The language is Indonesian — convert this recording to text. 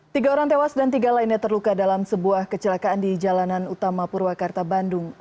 tiga orang tewas dan tiga lainnya terluka dalam sebuah kecelakaan di jalanan utama purwakarta bandung